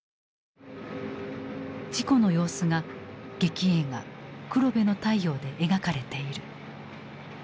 事故の様子が劇映画「黒部の太陽」で描かれている。